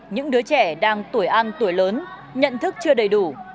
những đứa trẻ đang tuổi ăn tuổi lớn nhận thức chưa đầy đủ